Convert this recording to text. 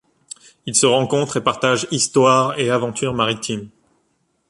Ils se rencontrent et partagent histoires et aventures maritimes.